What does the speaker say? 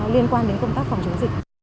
liên quan đến công tác phòng chống dịch